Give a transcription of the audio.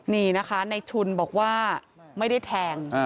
นี่นะคะในชุนบอกว่าไม่ได้แทง